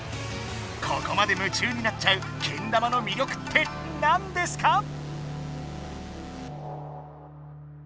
ここまで夢中になっちゃうけん玉の魅力ってなんですか？